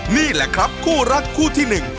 นี่แหละครับคู่รักคู่ที่หนึ่ง